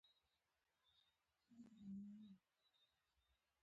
زه وړاندې پر یوه لویه تیږه کېناستم.